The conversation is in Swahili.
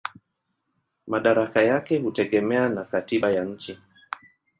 Madaraka yake hutegemea na katiba ya nchi.